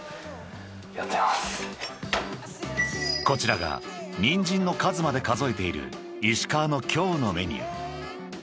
［こちらがニンジンの数まで数えている石川の今日のメニュー］